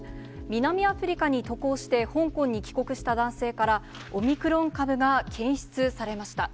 南アフリカに渡航して香港に帰国した男性から、オミクロン株が検出されました。